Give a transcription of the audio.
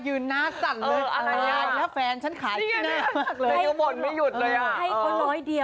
อยู่น่าสั่นเลยอะไรนะฟันฉันขายที่นั่นเลยให้คนร้อยเดียว